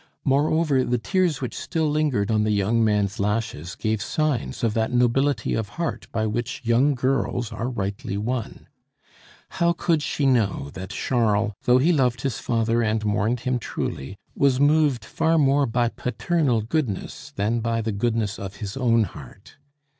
Moreover, the tears which still lingered on the young man's lashes gave signs of that nobility of heart by which young girls are rightly won. How could she know that Charles, though he loved his father and mourned him truly, was moved far more by paternal goodness than by the goodness of his own heart?